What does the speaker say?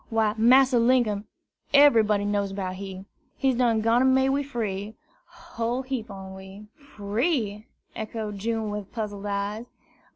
"Why, Massa Linkum, eberybody knows 'bout he. He's done gone made we free, whole heap on we." "Free!" echoed June, with puzzled eyes.